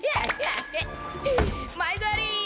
毎度あり！